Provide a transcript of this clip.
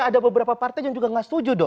ada beberapa partai yang juga gak setuju